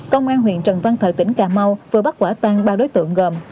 công an huyện trần văn thợ tỉnh cà mau vừa bắt quả tàn ba đối tượng gồm